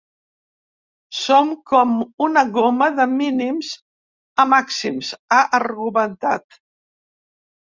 Som com una goma de mínims a màxims, ha argumentat.